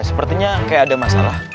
sepertinya kayak ada masalah